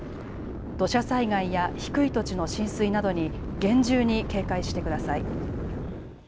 土砂災害や低い土地の浸水などに厳重に警戒してください。